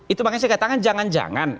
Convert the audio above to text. itu makanya saya katakan jangan jangan